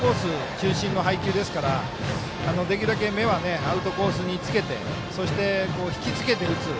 中心の配球ですからできるだけ目はアウトコースにつけてそして、引きつけて打つ